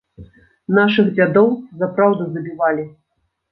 Нашых дзядоў за праўду забівалі!